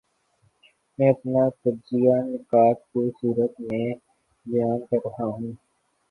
میں اپنا تجزیہ نکات کی صورت میں بیان کر رہا ہوں۔